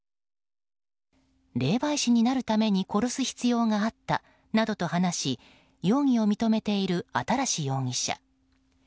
霊媒師になるために殺す必要があったなどと話し容疑を認めている新容疑者。